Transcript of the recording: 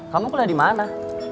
kamu kuliah di mana